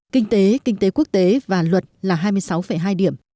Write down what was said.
kinh tế kinh tế quốc tế và luật là hai mươi sáu hai điểm